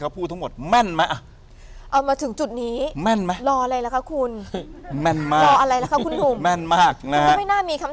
แพทย์ก็บอกเลยว่า